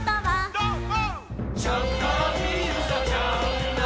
どーも！